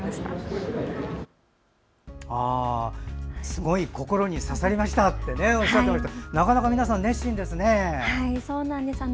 すごい心に刺さりましたっておっしゃってましたけどなかなか皆さん熱心ですね。